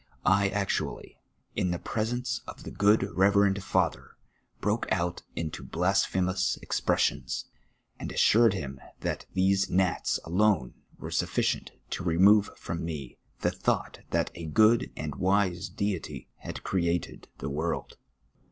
I actually, in the presence of the good reverend father, broke out into blasphemous expressions, and assui ed liim that these gnats alone were sufficient to remove from me the thought that a good and wise Deity had created the svorld.